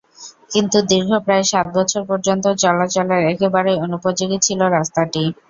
কিন্তু দীর্ঘ প্রায় সাত বছর পর্যন্ত চলাচলের একেবারেই অনুপযোগী ছিল রাস্তাটি।